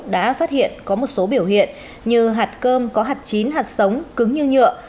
đã phát hiện có một số biểu hiện như hạt cơm có hạt chín hạt sống cứng như nhựa